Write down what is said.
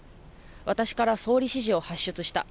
私から総理指示を発出した。